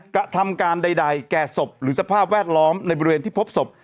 กระทำการใดแก่ศพหรือสภาพแวดล้อมในบริเวณที่พบศพ